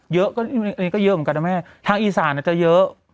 เยอะก็เยอะเหมือนกันนะแม่ทางอีสานจะเยอะ